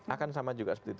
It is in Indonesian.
akan sama juga seperti itu